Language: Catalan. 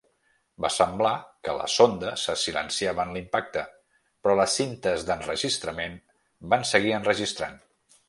Va semblar que la sonda se silenciava en l'impacte, però les cintes d'enregistrament van seguir enregistrant.